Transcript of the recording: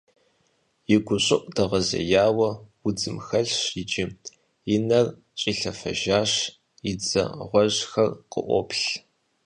И гущӀыӀу дэгъэзеяуэ удзым хэлъщ иджы, и нэр щӀилъэфэжащ, и дзэ гъуэжьхэр къыӀуоплъ.